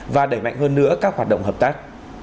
và đẩy mạnh hơn nữa các hoạt động hợp tác